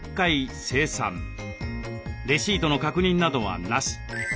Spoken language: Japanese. レシートの確認などはなし。